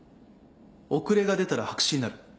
遅れが出たら白紙になる。